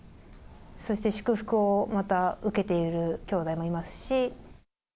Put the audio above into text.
そして祝福をまた受けているきょうだいもいますし。